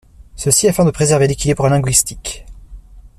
Ceci afin de préserver l'équilibre linguistique.